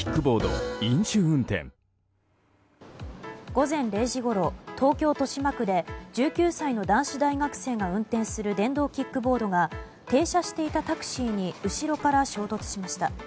午前０時ごろ東京・豊島区で１９歳の男子大学生が運転する電動キックボードが停車していたタクシーに後ろから衝突しました。